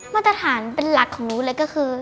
มาตรฐานเป็นหลักของนู้นเลยก็คือ